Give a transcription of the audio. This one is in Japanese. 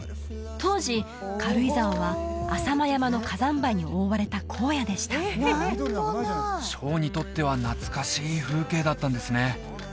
当時軽井沢は浅間山の火山灰に覆われた荒野でしたショーにとっては懐かしい風景だったんですね